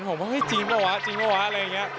ผมเขินผมว่าจริงหรือเปล่าวะจริงหรือเปล่าวะอะไรอย่างนี้